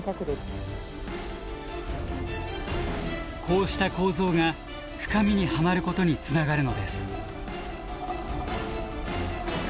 こうした構造が深みにはまることにつながるのです。